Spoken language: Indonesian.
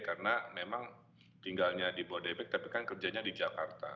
karena memang tinggalnya di bodebek tapi kan kerjanya di jakarta